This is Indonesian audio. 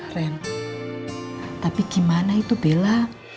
rem tapi gimana itu bella